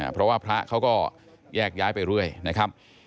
เพราะว่าพระเขาก็แยกย้ายไปเรื่อยนะครับ